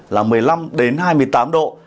là một mươi năm đến hai mươi tám độ